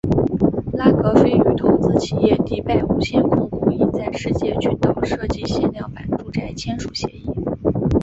拉格斐与投资企业迪拜无限控股以在世界群岛设计限量版住宅签署协议。